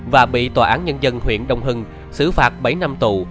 và bị tòa án nhân dân huyện đông hưng xử phạt bảy năm tù